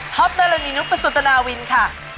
ทอปตระลังนินุประสุทธนาวินค่ะ